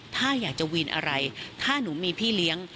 ถ้าอยากจะวีนอะไรถ้าหนูมีพี่เลี้ยง